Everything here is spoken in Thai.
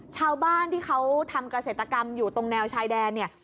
ชาวบ้านที่เขาทำเกษตรกรรมอยู่ตรงแนวชายแดนเนี่ย